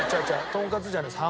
とんかつじゃないです